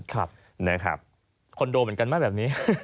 คอนโดเหมือนกันไหมแบบนี้